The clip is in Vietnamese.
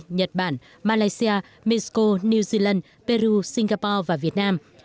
nhật bản malaysia mexico new zealand peru singapore và việt nam